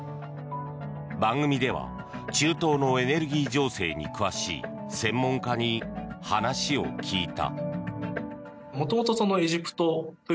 番組では中東のエネルギー情勢に詳しい専門家に話を聞いた。